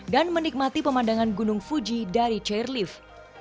dan menikmati pemandangan gunung fuji dari chairlift